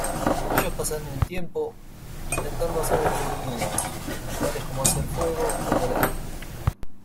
Ellos pasan el tiempo intentando hacer descubrimientos, tales como hacer fuego o volar.